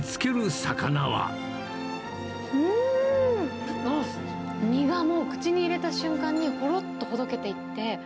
うーん、あっ、身がもう口に入れた瞬間に、ほろっとほどけていって。